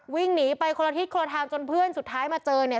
วิ่งหนีไปคนละทิศคนละทางจนเพื่อนสุดท้ายมาเจอเนี่ย